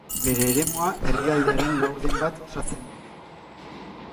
Bere eremua herrialdearen laurden bat osatzen du.